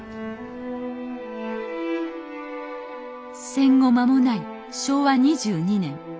戦後間もない昭和２２年。